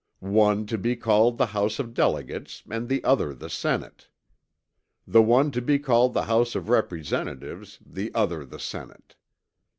"One to be called the House of Delegates and the other the Senate." "The one to be called the House of Representatives, the other the Senate."